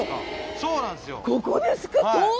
そうなんですよ！